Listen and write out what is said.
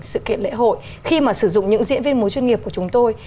sự kiện lễ hội